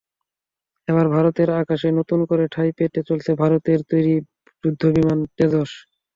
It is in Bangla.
এবার ভারতের আকাশে নতুন করে ঠাঁই পেতে চলেছে ভারতের তৈরি যুদ্ধবিমান তেজস।